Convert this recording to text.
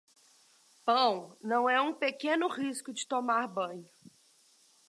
Pão não é um pequeno risco de tomar banho.